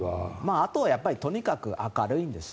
あととにかく明るいんです。